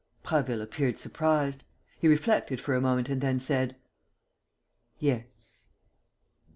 Prasville appeared surprised. He reflected for a moment and then said: "Yes."